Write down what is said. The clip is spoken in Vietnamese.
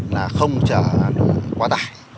là không trả quá tải